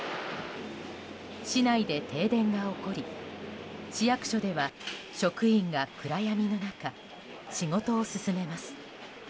市内で停電が起こり市役所では職員が暗闇の中、仕事を進めます。